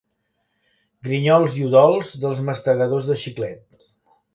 Grinyols i udols dels mastegadors de xiclet.